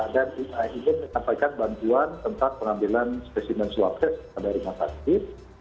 dan ingin menyampaikan bantuan tentang pengambilan spesimen swab test pada rumah sakit